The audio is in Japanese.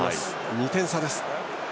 ２点差です。